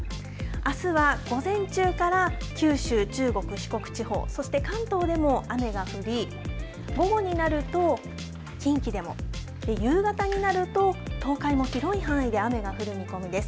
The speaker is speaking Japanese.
あすは午前中から九州、中国、四国地方そして関東でも雨が降り午後になると近畿でもで、夕方になると東海も広い範囲で雨が降る見込みです。